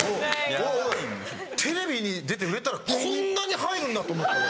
おいおいテレビに出て売れたらこんなに入るんだと思って。